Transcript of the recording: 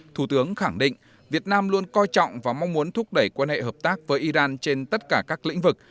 thủ tướng khẳng định việt nam luôn coi trọng và mong muốn thúc đẩy quan hệ hợp tác với iran trên tất cả các lĩnh vực